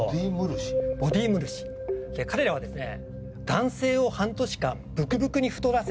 彼らはですね